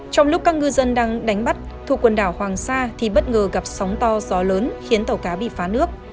trong lúc các ngư dân đang đánh bắt thuộc quần đảo hoàng sa thì bất ngờ gặp sóng to gió lớn khiến tàu cá bị phá nước